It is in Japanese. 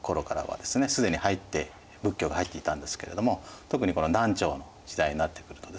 既に仏教が入っていたんですけれども特にこの南朝の時代になってくるとですね